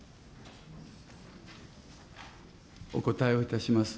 お答えをいたします。